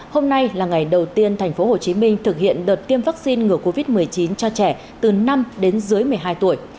hôm nay là ngày đầu tiên thành phố hồ chí minh thực hiện đợt tiêm vaccine ngừa covid một mươi chín cho trẻ từ năm đến dưới một mươi hai tuổi